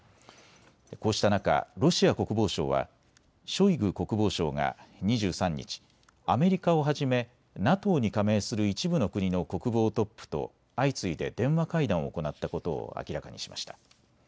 こうした中、ロシア国防省はショイグ国防相が２３日、アメリカをはじめＮＡＴＯに加盟する一部の国の国防トップと相次いで電話会談を行ったことを明らかにしました。